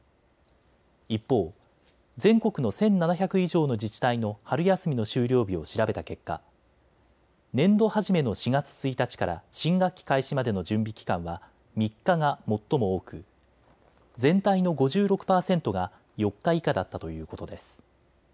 一方、全国の１７００以上の自治体の春休みの終了日を調べた結果、年度初めの４月１日から新学期開始までの準備期間は３日が最も多く全体の５６％が４日以下だったということです。